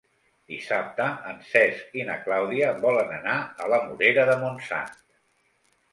Dissabte en Cesc i na Clàudia volen anar a la Morera de Montsant.